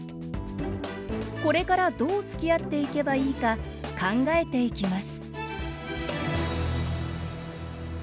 これからどうつきあっていけばいいか考えていきます